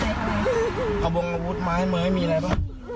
เอาบรงอาวุธมาให้มั้ยมีอะไรป่ะ